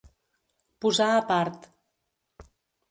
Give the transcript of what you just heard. Posar a part.